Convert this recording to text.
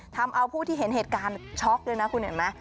ทำเอาผู้ที่เห็นเหตุการณ์ช็อกด้วยนะคุณเห็นไหม